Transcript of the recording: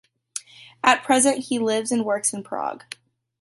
At present he lives and works in Prague.